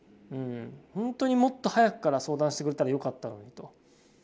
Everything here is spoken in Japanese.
ほんとにもっと早くから相談してくれたらよかったのにと。